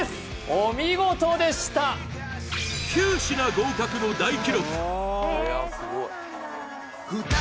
お見事でした９品合格の大記録